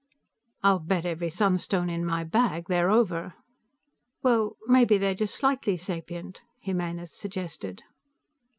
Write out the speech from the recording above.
"I'll bet every sunstone in my bag they're over." "Well, maybe they're just slightly sapient," Jimenez suggested.